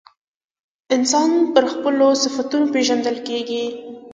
انسان پر خپلو صفتونو پیژندل کیږي.